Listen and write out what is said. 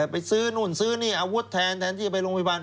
ไปซื้อนู่นซื้อนี่อาวุธแทนแทนที่จะไปโรงพยาบาล